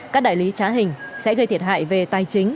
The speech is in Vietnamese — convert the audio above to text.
các đại lý trá hình sẽ gây thiệt hại về tài chính